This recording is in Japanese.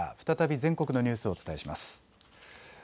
再び全国のニュースをお伝えします。